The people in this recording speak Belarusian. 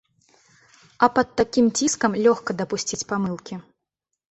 А пад такім ціскам лёгка дапусціць памылкі.